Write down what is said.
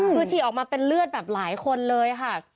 คือฉี่ออกมาเป็นเลือดแบบหลายคนเลยค่ะ